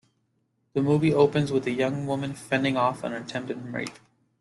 The movie opens with a young woman fending off an attempted rape.